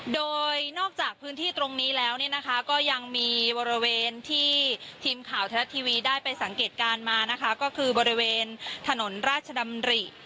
โดยนอกจากพื้นที่ตรงนี้แล้วเนี่ยนะคะก็ยังมีบริเวณที่ทีมข่าวไทยรัฐทีวีได้ไปสังเกตการณ์มานะคะก็คือบริเวณถนนราชดำริ